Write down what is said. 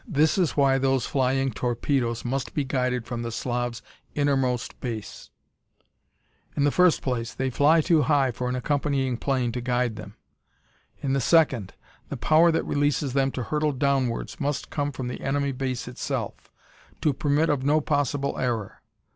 "This is why those flying torpedoes must be guided from the Slav's innermost base. "In the first place, they fly too high for an accompanying plane to guide them. In the second, the power that releases them to hurtle downwards must come from the enemy base itself, to permit of no possible error.